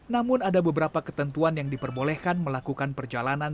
namun ada beberapa ketentuan yang diperbolehkan melakukan perjalanan